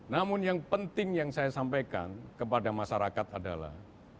namun yang penting yang saya sampaikan kepada masyarakat adalah